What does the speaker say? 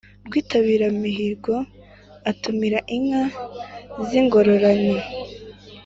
rwitabiramihigo atumira inka z'ingororano